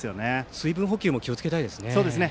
水分補給も気をつけたいところ。